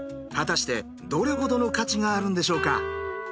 果たしてどれほどの価値があるんでしょうか？